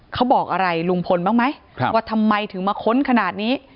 เขาบอกอะไรลุงพลบ้างไหมว่าทำไมถึงมาค้นขนาดนี้